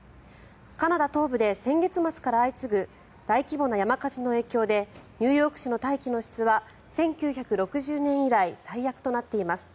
カナダ東部で先月末から相次ぐ大規模な山火事の影響でニューヨーク市の大気の質は１９６０年以来最悪となっています。